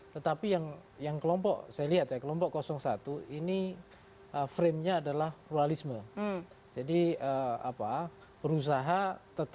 tetapi yang kelompok saya lihat ya kelompok satu ini frame nya adalah pluralisme